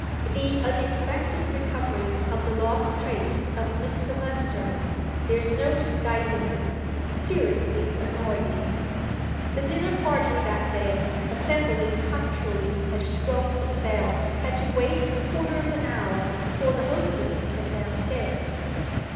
The unexpected recovery of the lost trace of Miss Silvester there is no disguising it seriously annoyed him. The dinner party that day, assembling punctually at the stroke of the bell, had to wait a quarter of an hour before the hostess came down stairs.